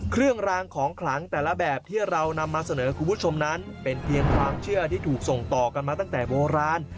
เครื่องรางของขลังแต่ละแบบที่เรานำมาเสนอคุณผู้ชมนั้นเป็นเพียงความเชื่อที่ถูกส่งต่อกันมาตั้งแต่โบราณ